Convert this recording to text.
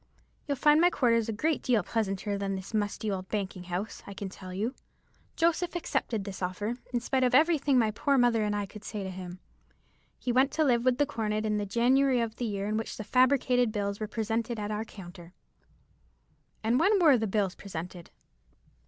You'll find my quarters a great deal pleasanter than this musty old banking house, I can tell you.' Joseph accepted this offer, in spite of everything my poor mother and I could say to him. He went to live with the cornet in the January of the year in which the fabricated bills were presented at our counter." "And when were the bills presented?"